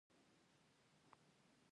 خو دا نوښت هم رد شو